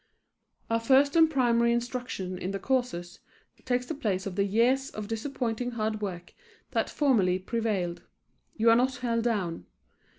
Our first and primary instruction in the courses takes the place of the years of disappointing hard work that formerly prevailed. You are not held down.